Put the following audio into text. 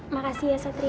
makasih ya satria